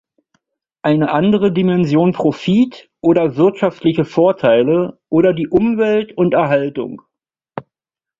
Eine andere Dimension Profit, oder wirtschaftliche Vorteile, oder die Umwelt und Erhaltung.